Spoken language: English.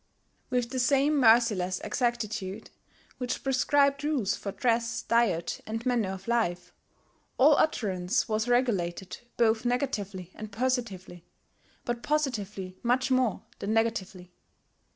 With the same merciless exactitude which prescribed rules for dress, diet, and manner of life, all utterance was regulated both negatively and positively, but positively much more than negatively.